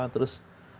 terus beliau nanggap